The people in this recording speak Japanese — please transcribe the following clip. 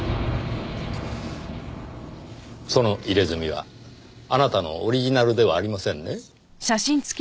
その入れ墨はあなたのオリジナルではありませんね？